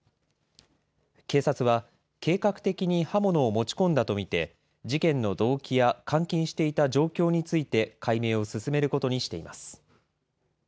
警察は、計画的に刃物を持ち込んだと見て、事件の動機や監禁していた状況について、解明を進めることにしています。